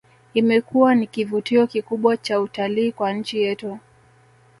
Imekuwa ni kivutio kikubwa cha utalii kwa nchi yetu